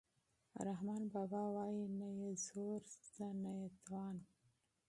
رحمان بابا وايي نه یې زور شته نه یې توان.